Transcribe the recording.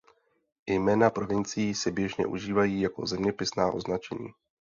Jména provincií se běžně užívají jako zeměpisná označení.